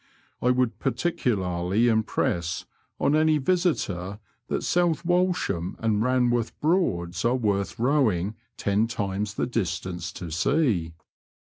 I would particularly impress on any visitor that South Walsham and Banworth Broads are worth rowing ten times the distance to see.